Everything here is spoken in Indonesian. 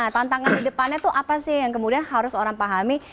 tantangan di depannya tuh apa sih yang kemudian harus orang pahami